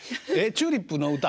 「チューリップの歌」？